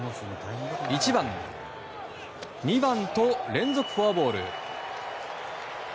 １番、２番と連続フォアボール。